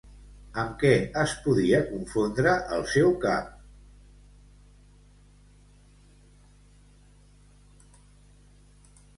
Amb què es podia confondre el seu cap?